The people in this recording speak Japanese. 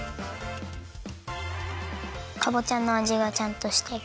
かぼちゃのあじがちゃんとしてる。